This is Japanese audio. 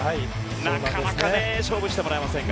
なかなか勝負してもらえませんが。